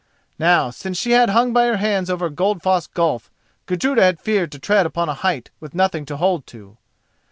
Now since she had hung by her hands over Goldfoss gulf, Gudruda had feared to tread upon a height with nothing to hold to.